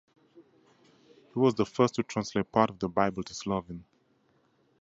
He was the first to translate parts of the Bible to Slovene.